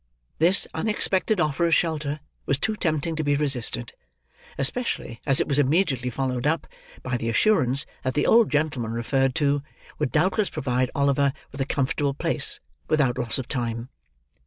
This unexpected offer of shelter was too tempting to be resisted; especially as it was immediately followed up, by the assurance that the old gentleman referred to, would doubtless provide Oliver with a comfortable place, without loss of time.